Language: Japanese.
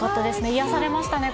癒やされましたね